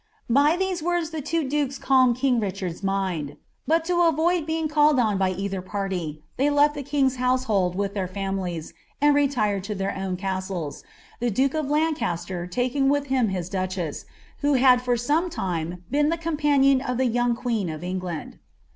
" By ihcse words the two dukes culmcil kin^ RirhKni's miml; but to ■Toid ln'iin mlleil on by eiilinr pnrty, llicy left the king's household wit}) tlirir familife, and retired to their own cnsileit, the iluke of Lane^s ler Hiking wiib him his duchess, who had for sonic lime been the com panion of the ynong queen of England.